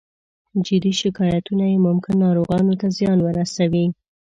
جدي شکایتونه چې ممکن ناروغانو ته زیان ورسوي